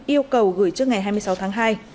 yêu cầu gửi trước ngày hai mươi sáu tháng hai